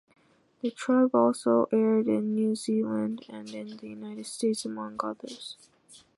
"The Tribe" also aired in New Zealand and in the United States, among others.